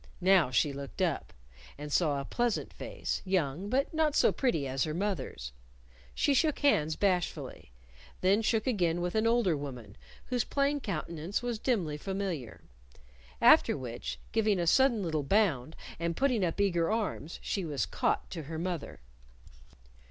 Now, she looked up. And saw a pleasant face, young, but not so pretty as her mother's. She shook hands bashfully. Then shook again with an older woman, whose plain countenance was dimly familiar. After which, giving a sudden little bound, and putting up eager arms, she was caught to her mother.